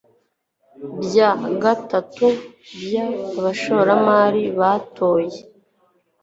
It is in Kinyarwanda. bya gatatu by abashoramari batoye